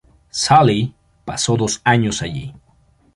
Sally pasó dos años allí.